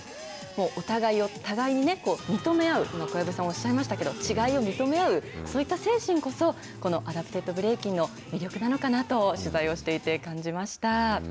もうお互いを互いに認め合う、今、小籔さんおっしゃいましたけど、違いを認め合う、そういった精神こそ、このアダプテッドブレイキンの魅力なのかなと取材をしていて感じました。